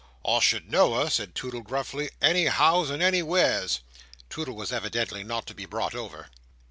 "I should know her," said Toodle, gruffly, "anyhows and anywheres." Toodle was evidently not to be bought over.